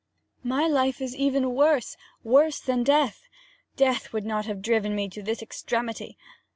'My life is even worse worse than death. Death would not have driven me to this extremity.